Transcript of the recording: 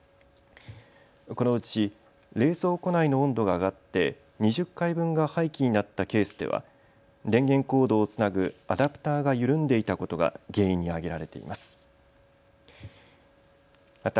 このうち冷蔵庫内の温度が上がって２０回分が廃棄になったケースでは電源コードをつなぐアダプターが緩んでいたことが原因に挙げられています。